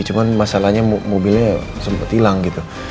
cuman masalahnya mobilnya sempet hilang gitu